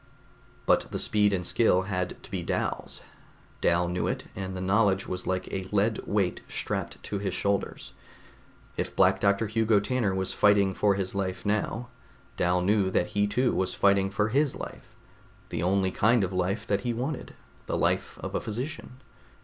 But the speed and skill had to be Dal's. Dal knew that, and the knowledge was like a lead weight strapped to his shoulders. If Black Doctor Hugo Tanner was fighting for his life now, Dal knew that he too was fighting for his life the only kind of life that he wanted, the life of a physician.